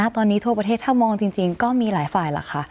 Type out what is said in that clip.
ตอนนี้ทั่วประเทศถ้ามองจริงก็มีหลายฝ่ายล่ะค่ะ